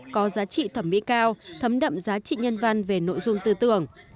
có giá trị thẩm mỹ cao thấm đậm giá trị nhân văn về nội dung tư tưởng